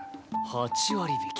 ８割引き。